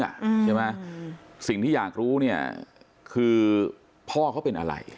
ใช่ไหมสิ่งที่อยากรู้เนี่ยคือพ่อเขาเป็นอะไร